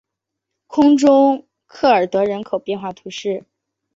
空中科尔德人口变化图示